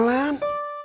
sok udah pulang